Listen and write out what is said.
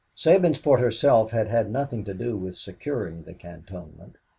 Sabinsport herself had had nothing to do with securing the cantonment.